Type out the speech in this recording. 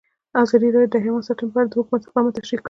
ازادي راډیو د حیوان ساتنه په اړه د حکومت اقدامات تشریح کړي.